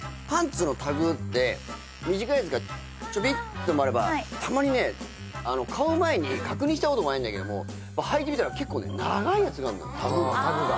はい短いやつがチョビってのもあればたまにね買う前に確認したこともないんだけどもはいてみたら結構ね長いやつがあんのよタグタグが・